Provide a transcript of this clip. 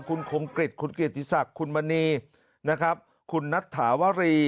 คุณกงกฤทธิคุณเกียจศักดิ์คุณมณีคุณนัทถาวรี